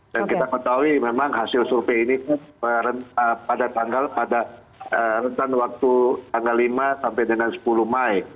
dan kita ketahui memang hasil survei ini pada tanggal pada rentan waktu tanggal lima sampai dengan sepuluh mai